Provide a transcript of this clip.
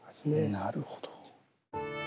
なるほど。